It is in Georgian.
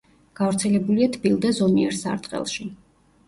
გავრცელებულია თბილ და ზომიერ სარტყელში.